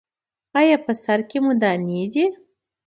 ایا په سر کې مو دانې دي؟